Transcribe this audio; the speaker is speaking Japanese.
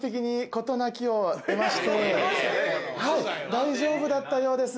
大丈夫だったようです。